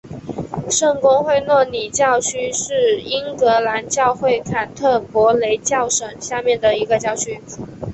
圣公会诺里奇教区是英格兰教会坎特伯雷教省下面的一个教区。